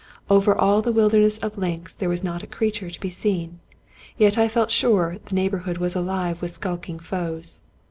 Over all the wilder ness of links there was not a creature to be seen. Yet I felt sure the neighborhood was alive with skulking foes.